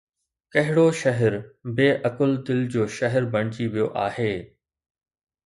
ڪھڙو شھر بي عقل دل جو شھر بڻجي ويو آھي؟